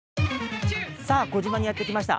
さあ児島にやって来ました。